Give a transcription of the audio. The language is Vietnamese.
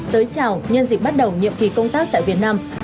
tới chào nhân dịp bắt đầu nhiệm kỳ công tác tại việt nam